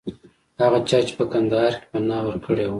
هغه چا چې په کندهار کې پناه ورکړې وه.